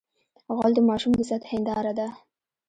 غول د ماشوم د صحت هنداره ده.